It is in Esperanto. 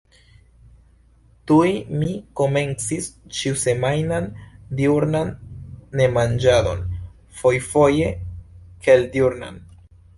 Tuj mi komencis ĉiusemajnan diurnan nemanĝadon, fojfoje kelkdiurnan.